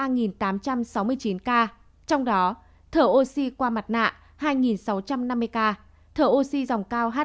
trong đó thở ôn khó khăn khó khăn khó khăn